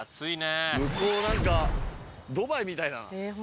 向こう何かドバイみたいな。